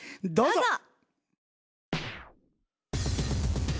どうぞ！